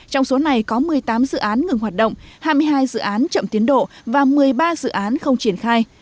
trong số này có một mươi tám dự án ngừng hoạt động hai mươi hai dự án chậm tiến độ và một mươi ba dự án không triển khai